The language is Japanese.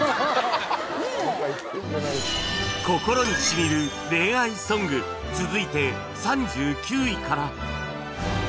『心にしみる恋愛ソング』続いて３９位から